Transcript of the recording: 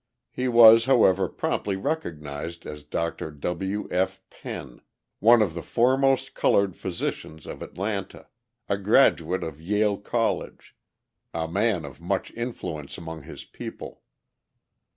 He was, however, promptly recognized as Dr. W. F. Penn, one of the foremost coloured physicians of Atlanta, a graduate of Yale College a man of much influence among his people.